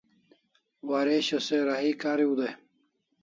Waresho se rahi kariu dai